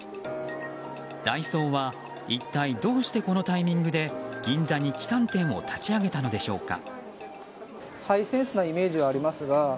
ダイソーは一体どうしてこのタイミングで銀座に旗艦店を立ち上げたのでしょうか。